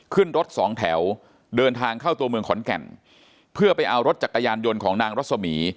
ขึ้นรถสองแถวเดินทางเข้าตัวเมืองขอนแก่นเพื่อไปเอารถจักรยานยนต์ของนางรัศมี